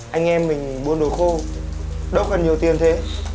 anh em mình buôn đồ khô đâu cần nhiều tiền thế